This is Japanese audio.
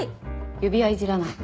指輪いじらない。